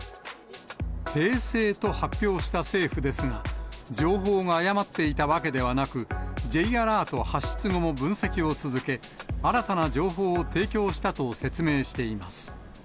訂正と発表した政府ですが、情報が誤っていたわけではなく、Ｊアラート発出後も分析を続け、新たな情報を提供したと説明しています。